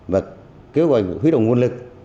và kêu gọi hủy động nguồn lực